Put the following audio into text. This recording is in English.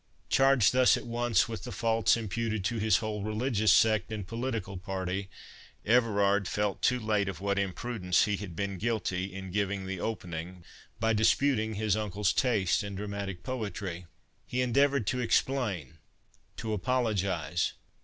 Charged thus at once with the faults imputed to his whole religious sect and political party, Everard felt too late of what imprudence he had been guilty in giving the opening, by disputing his uncle's taste in dramatic poetry. He endeavoured to explain—to apologise.